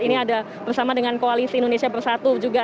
ini ada bersama dengan koalisi indonesia bersatu juga